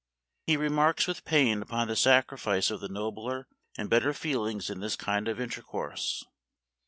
He remarks with pain upon the sacrifice of the nobler and better feelings in this kind of inter course.